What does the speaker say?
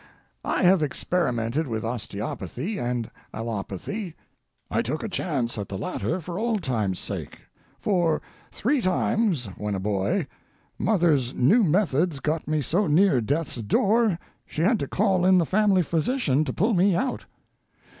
I have experimented with osteopathy and allopathy. I took a chance at the latter for old times' sake, for, three times, when a boy, mother's new methods got me so near death's door she had to call in the family physician to pull me out.